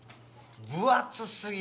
分厚すぎる。